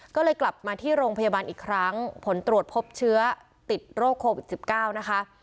ก็เลยกลับมาที่โรงพยาบาลอีกครั้งผลตรวจพบเชื้อติดโรคโควิด๑๙นะคะ